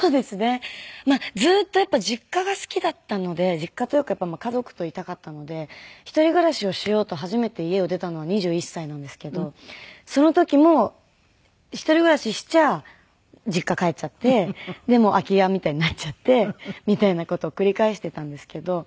実家というか家族といたかったので一人暮らしをしようと初めて家を出たのは２１歳なんですけどその時も一人暮らししちゃ実家帰っちゃってでもう空き家みたいになっちゃってみたいな事を繰り返していたんですけど。